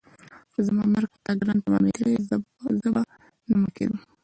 که زما مرګ په تا ګران تمامېدلی زه به نه مړه کېدم.